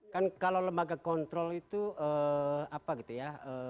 kan kalau lembaga kontrol itu apa gitu ya